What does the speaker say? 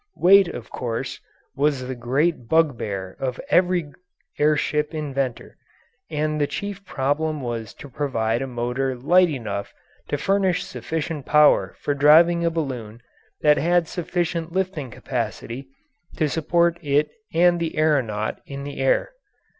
Weight, of course, was the great bugbear of every air ship inventor, and the chief problem was to provide a motor light enough to furnish sufficient power for driving a balloon that had sufficient lifting capacity to support it and the aeronaut in the air.